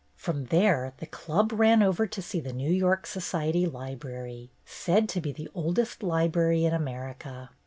From there the Club ran over to see the New York Society Library, said to be the oldest library in America.